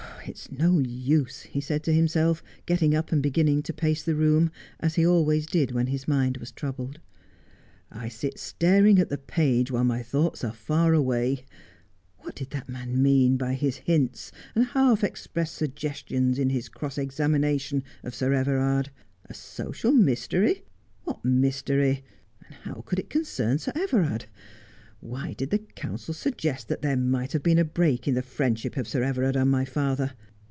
It is no use,' he said to himself, getting up and beginning to pace the room, as he always did when his mind was troubled. • I sit staring at the page while my thoughts are far away. "What did that man mean by his hints and half expressed sug gestions in his cross examination of Sir Everard ? A social mvsterv ? "What mystery 1 And how could it concern Sir Everard ? Why did the counsel suggest that there might have been a break in the friendship of Sir Everard and my father